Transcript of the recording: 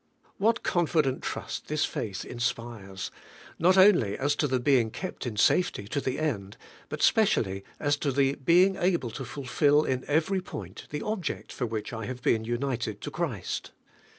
What confident trust this faith inspires, — not only as to the being kept in safety to the end, but specially as to the being able to fulfil in every point the object for which I have been united to Christ.